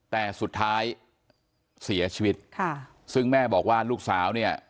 แต่สุดท้ายเสียชีวิตค่ะซึ่งแม่บอกว่าลูกสาวเนี่ย